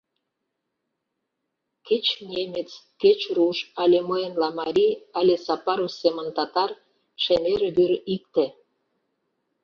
Кеч немец, кеч руш, але мыйынла марий але Сапаров семын татар — шемер вӱр икте.